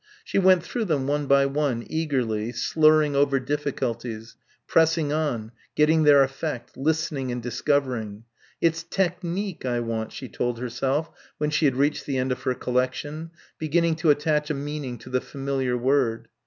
She went through them one by one, eagerly, slurring over difficulties, pressing on, getting their effect, listening and discovering. "It's technique I want," she told herself, when she had reached the end of her collection, beginning to attach a meaning to the familiar word.